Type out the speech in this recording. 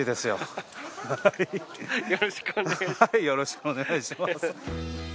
よろしくお願いします。